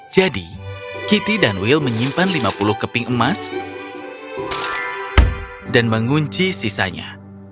jadi kitty dan will menyimpan lima puluh keping emas dan mengunci sisanya